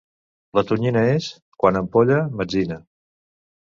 La tonyina és, quan empolla, metzina.